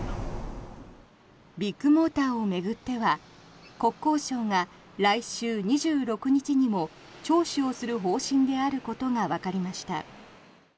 ビッグモーターを巡っては国交省が来週２６日にも聴取をする方針であることがわかりました。